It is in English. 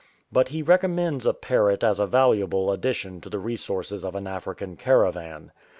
But he recommends a parrot as a valuable addition to the resources of an African caravan.